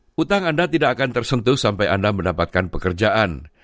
utang anda tidak akan tersentuh sampai anda mendapatkan pekerjaan